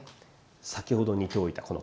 先ほど煮ておいたこの鶏。